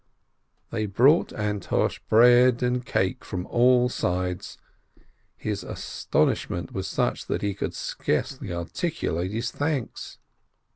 They brought Antosh bread and cake from all sides; his astonishment was such that he could scarcely articu late his thanks.